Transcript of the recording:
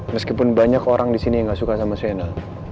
meskipun banyak orang di sini yang gak suka sama shena